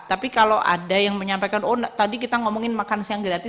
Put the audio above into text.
tapi kalau ada yang menyampaikan oh tadi kita ngomongin makan siang gratis